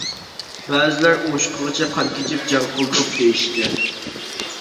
بەزىلەر ئوشۇقىغىچە قان كېچىپ جەڭ قىلدۇق دېيىشتى.